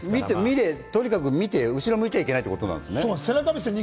とにかく見て、後ろを向いちゃいけないということですね。